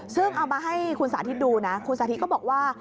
ซึ่งเอามาให้คุณสาธิตดูนะคุณสาธิตก็บอกว่า